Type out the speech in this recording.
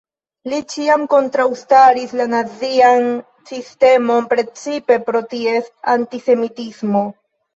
Li ĉiam kontraŭstaris la nazian sistemon, precipe pro ties antisemitismo.